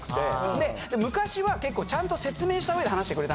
で昔は結構ちゃんと説明した上で話してくれた。